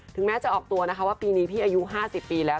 แม้จะออกตัวนะคะว่าปีนี้พี่อายุ๕๐ปีแล้ว